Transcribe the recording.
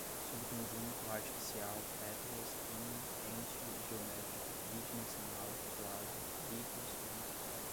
subconjunto, artificial, pétalas, pinha, ente geométrico, bidimensional suave, bicos, planificada